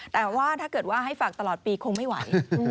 แต่ว่าถ้าเกิดว่าให้ฝากตลอดปีคงไม่ไหว